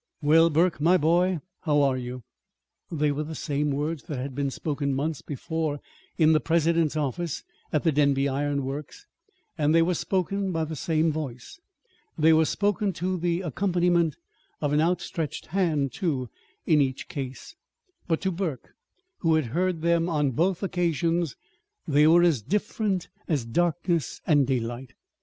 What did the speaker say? "Well, Burke, my boy, how are you?" They were the same words that had been spoken months before in the President's office at the Denby Iron Works, and they were spoken by the same voice. They were spoken to the accompaniment of an outstretched hand, too, in each case. But, to Burke, who had heard them on both occasions, they were as different as darkness and daylight.